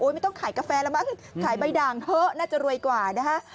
ไม่ต้องขายกาแฟแล้วมั้งขายใบด่างเถอะน่าจะรวยกว่านะฮะ